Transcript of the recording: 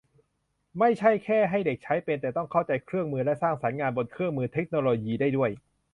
ไม่ใช่แค่ให้เด็กใช้เป็น แต่ต้องเข้าใจเครื่องมือ และสร้างสรรค์งานบนเครื่องมือเทคโนโลยีได้ด้วย